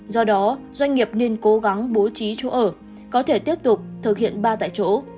do đó doanh nghiệp nên cố gắng bố trí chỗ ở có thể tiếp tục thực hiện ba tại chỗ